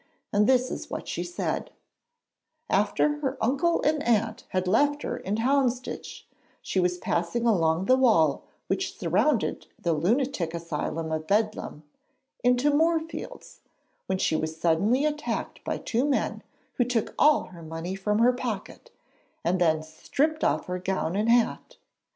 And this was what she said: After her uncle and aunt had left her in Houndsditch, she was passing along the wall which surrounded the lunatic asylum of Bedlam, into Moorfields, when she was suddenly attacked by two men who took all her money from her pocket, and then stripped off her gown and hat.